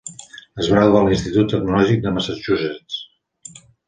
Es va graduar a l'Institut Tecnològic de Massachusetts.